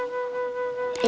sampai jumpa lagi